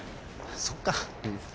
そっか